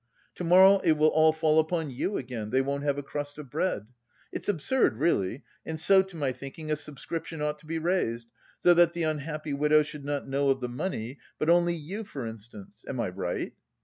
To morrow it will all fall upon you again, they won't have a crust of bread. It's absurd, really, and so, to my thinking, a subscription ought to be raised so that the unhappy widow should not know of the money, but only you, for instance. Am I right?"